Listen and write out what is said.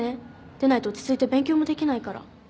でないと落ち着いて勉強もできないから。